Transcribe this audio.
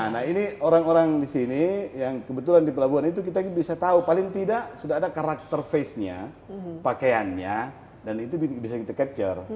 nah ini orang orang di sini yang kebetulan di pelabuhan itu kita bisa tahu paling tidak sudah ada karakter face nya pakaiannya dan itu bisa kita capture